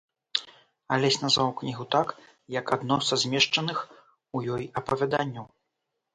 Алесь назваў кнігу так, як адно са змешчаных у ёй апавяданняў.